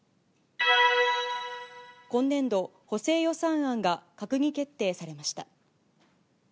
今年度、補正予算案が閣議決定されました。